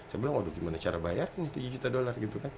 saya bilang waduh gimana cara bayar nih tujuh juta dollar gitu kan